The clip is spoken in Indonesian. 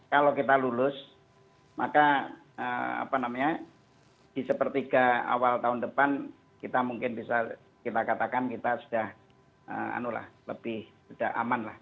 kalau kita lulus maka di sepertiga awal tahun depan kita mungkin bisa kita katakan kita sudah lebih sudah aman lah